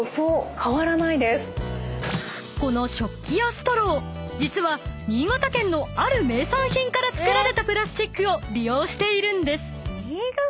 ［この食器やストロー実は新潟県のある名産品から作られたプラスチックを利用しているんです］